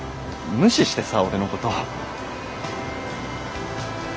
無視してさ俺のこと。